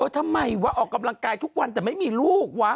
ทำไมวะออกกำลังกายทุกวันแต่ไม่มีลูกวะ